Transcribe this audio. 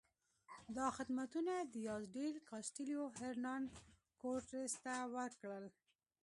دا خدمتونه دیاز ډیل کاسټیلو هرنان کورټس ته وکړل.